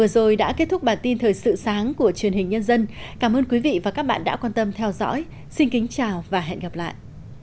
đồng bằng hành quân lên giúp đỡ nhân dân các huyện tây xứ nghệ an